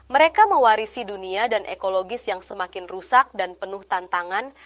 mereka mewarisi dunia dan ekologis yang semakin rusak dan penuh tantangan